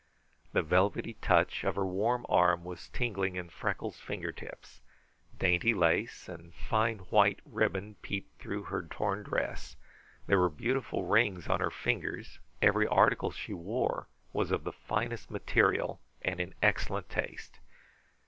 The velvety touch of her warm arm was tingling in Freckles' fingertips. Dainty lace and fine white ribbon peeped through her torn dress. There were beautiful rings on her fingers. Every article she wore was of the finest material and in excellent taste.